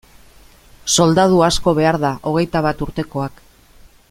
Soldadu asko behar da, hogeita bat urtekoak.